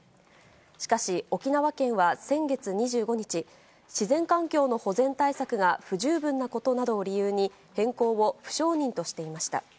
しかし、沖縄県は先月２５日、自然環境の保全対策が不十分なことなどを理由に、変更を不承認としていました。